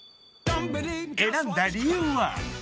選んだ理由は？